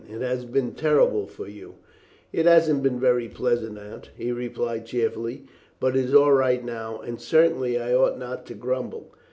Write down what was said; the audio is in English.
It has been terrible for you." "It hasn't been very pleasant, Aunt," he replied cheerfully, "but it is all right now, and certainly I ought not to grumble.